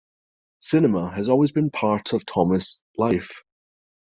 Cinema has always been a part of Thomas' life.